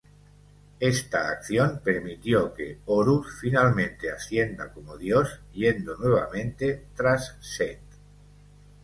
Esta acción permitió que Horus finalmente ascienda como dios, yendo nuevamente tras Set.